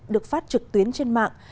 được phát trực tuyến trên mạng